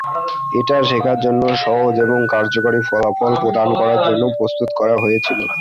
এটা শেখার জন্য সহজ এবং কার্যকারী ফলাফল প্রদান করার জন্য প্রস্তুত করা হয়েছিল।